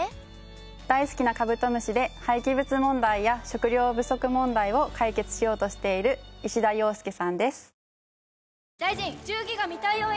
大好きなカブトムシで廃棄物問題や食糧不足問題を解決しようとしている石田陽佑さんです。